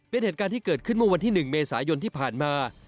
เป็นเหตุการณ์ที่เกิดขึ้นเมื่อวันที่๑เมษายนที่ผ่านมา